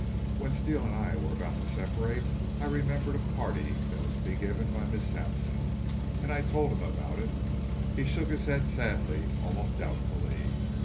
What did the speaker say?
When Steele and I were about to separate I remembered a party that was to be given by Miss Sampson, and I told him about it. He shook his head sadly, almost doubtfully.